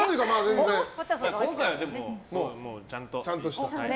今回はちゃんと。